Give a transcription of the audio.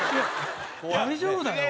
大丈夫だよ。